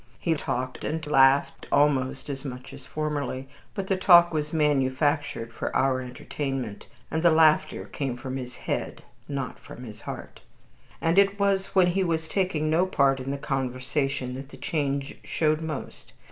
He talked and laughed almost as much as formerly, but the talk was manufactured for our entertainment, and the laughter came from his head and not from his heart. And it was when he was taking no part in the conversation that the change showed most.